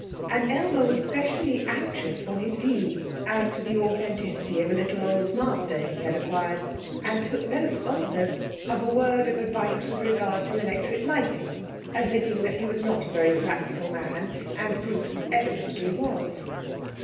And Aylmer was specially anxious for his view as to the authenticity of a little Old Master he had acquired, and took notes, also, of a word of advice with regard to electric lighting, admitting he was not a very practical man, and Bruce evidently was.